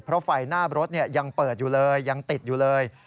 เพราะไฟหน้ารถยังเปิดอยู่เลยยังติดอยู่เลย